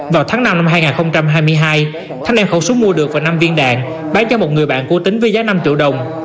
vào tháng năm năm hai nghìn hai mươi hai thanh đem khẩu súng mua được và năm viên đạn bán cho một người bạn cố tính với giá năm triệu đồng